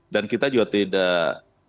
dan kita juga tidak